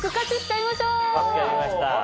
分かりました。